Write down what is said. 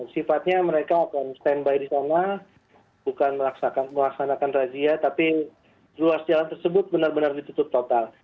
sifatnya mereka akan standby di sana bukan melaksanakan razia tapi ruas jalan tersebut benar benar ditutup total